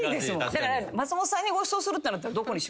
だから松本さんにごちそうするってなったらどこにしますか？